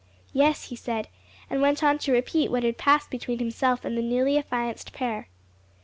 "Yes," he said, and went on to repeat what had passed between himself and the newly affianced pair.